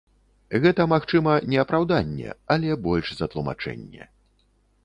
Гэта, магчыма, не апраўданне, але больш за тлумачэнне.